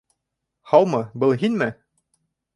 Һаумы! Был һинме?